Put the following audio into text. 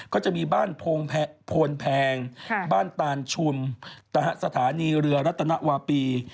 ก็จะมีบ้านโพนแพงบ้านตานชุมสถานีเรือรัตนวาปี